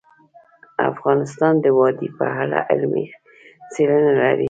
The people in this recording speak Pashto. افغانستان د وادي په اړه علمي څېړنې لري.